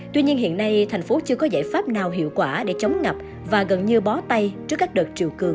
tuy nhiên hiện nay thành phố chưa có giải pháp nào hiệu quả để chống ngập và gần như bó tay trước các đợt triều cường